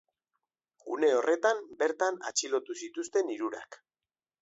Une horretan bertan atxilotu zituzten hirurak.